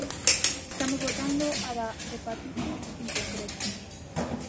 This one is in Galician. Estamos votando a da hepatite, en concreto.